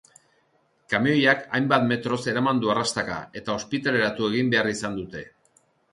Kamioiak hainbat metroz eraman du arrastaka, eta ospitaleratu egin behar izan dute.